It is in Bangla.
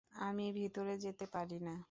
আমি ভিতরে যেতে পারি না।